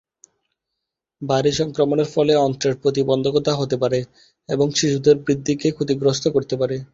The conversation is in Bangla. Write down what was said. ভারী সংক্রমণের ফলে অন্ত্রের প্রতিবন্ধকতা হতে পারে এবং শিশুদের বৃদ্ধি কে ক্ষতিগ্রস্ত করতে পারে।